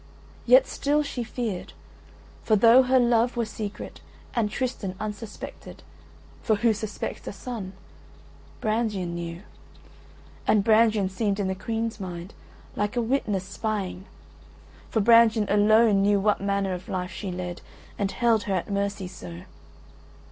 Yet still she feared; for though her love were secret and Tristan unsuspected (for who suspects a son?) Brangien knew. And Brangien seemed in the Queen's mind like a witness spying; for Brangien alone knew what manner of life she led, and held her at mercy so.